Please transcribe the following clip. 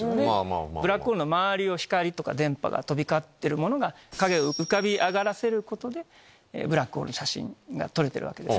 ブラックホールの周りを光とか電波飛び交ってるものが影を浮かび上がらせることでブラックホールの写真が撮れてる。